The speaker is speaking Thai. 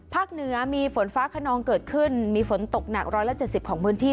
ภาคเหนือมีฝนฟ้าขนองเกิดขึ้นมีฝนตกหนักร้อยละเจ็ดสิบของบืนที่